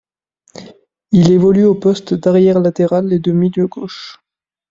Il évolue aux postes d'arrière latéral et de milieu gauche.